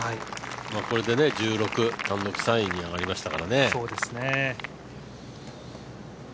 これで１６、単独３位に上がりましたからね。